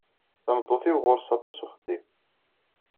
Tameṭṭut-iw ɣur-s aṭas uxeddim